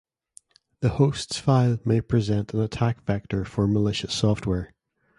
The hosts file may present an attack vector for malicious software.